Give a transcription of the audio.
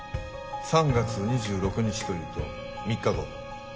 ３月２６日というと３日後。